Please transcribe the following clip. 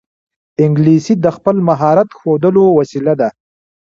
انګلیسي د خپل مهارت ښودلو وسیله ده